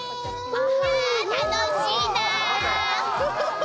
あ、楽しいな！